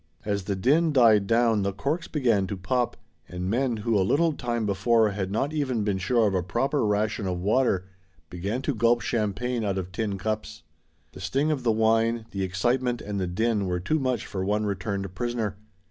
As the din died down the corks began to pop and men who a little time before had not even been sure of a proper ration of water began to gulp champagne out of tin cups. The sting of the wine, the excitement and the din were too much for one returned prisoner.